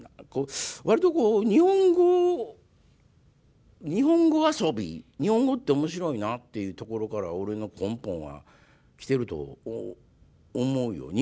割とこう日本語日本語遊び日本語って面白いなっていうところから俺の根本は来てると思うよ。